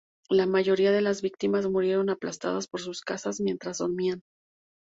La mayoría de las víctimas murieron aplastadas por sus casas mientras dormían.